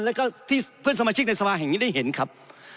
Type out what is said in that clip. แล้วก็ที่เพื่อนสมาชิกในสภาแห่งนี้ได้เห็นครับ